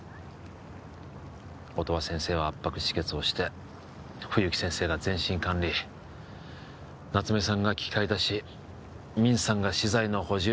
音羽先生は圧迫止血をして冬木先生が全身管理夏梅さんが器械出しミンさんが資材の補充